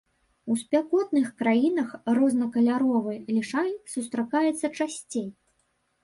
У спякотных краінах рознакаляровы лішай сустракаецца часцей.